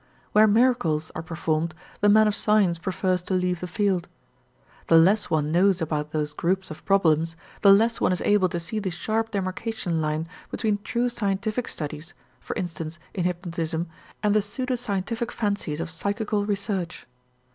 Where miracles are performed, the man of science prefers to leave the field. The less one knows about those groups of problems, the less one is able to see the sharp demarcation line between true scientific studies, for instance, in hypnotism, and the pseudo scientific fancies of psychical research.